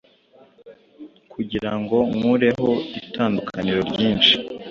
kugirango nkureho itandukaniro ryinshi